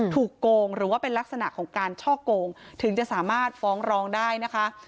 โกงหรือว่าเป็นลักษณะของการช่อโกงถึงจะสามารถฟ้องร้องได้นะคะ